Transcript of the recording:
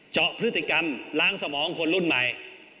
เจาะพฤติกรรมล้างสมองคนรุ่นใหม่